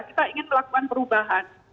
kita ingin melakukan perubahan